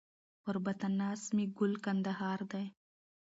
پر پاتا ناست مي ګل کندهار دی